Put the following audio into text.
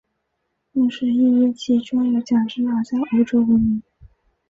同时亦因其装有假肢而在欧洲闻名。